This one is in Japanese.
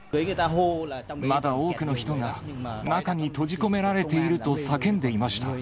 まだ多くの人が中に閉じ込められていると叫んでいました。